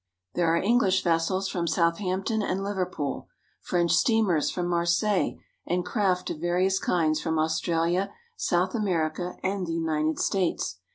There are English vessels from Southampton and Liverpool, French steamers from Mar seilles, and craft of various kinds from Australia, South America, and the United States.